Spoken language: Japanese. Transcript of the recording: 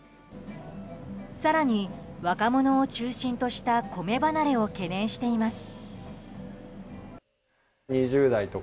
更に、若者を中心とした米離れを懸念しています。